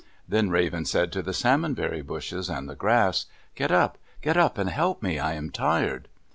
Then Raven said to the salmon berry bushes and the grass, "Get up! Get up and help me. I am tired!"